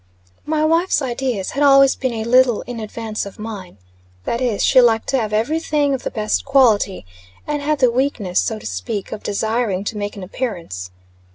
My wife's ideas had always been a little in advance of mine. That is, she liked to have every thing of the best quality; and had the weakness, so to speak, of desiring to make an appearance.